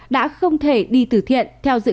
đã không thể đi từ thiện